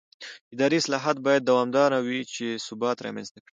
اداري اصلاحات باید دوامداره وي چې ثبات رامنځته کړي